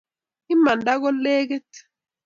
imandai ko lekit